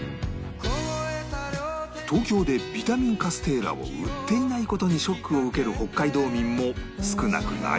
東京でビタミンカステーラを売っていない事にショックを受ける北海道民も少なくないそうで